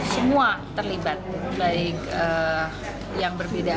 semua terlibat baik yang berbeda